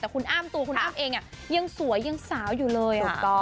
แต่คุณอ้ำตัวคุณอ้ำเองยังสวยยังสาวอยู่เลย